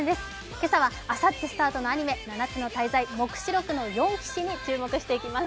今朝はあさってスタートのアニメ、「七つの大罪黙示録の四騎士」に注目していきます。